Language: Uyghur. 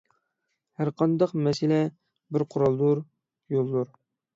ھەرقانداق مەسلەك بىر قورالدۇر، يولدۇر.